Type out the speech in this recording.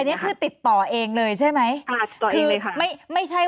อันนี้คือติดต่อเองเลยใช่ไหม